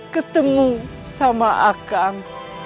ketemu sama akang